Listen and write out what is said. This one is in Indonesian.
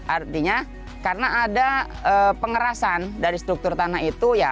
artinya karena ada pengerasan dari struktur tanah itu ya